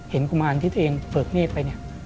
เห็นกุมารที่ตัวเองเฟิกเนธไป